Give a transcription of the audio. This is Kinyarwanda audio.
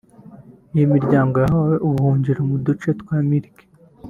Iyi miryango yahawe ubuhungiro mu duce twa Miriki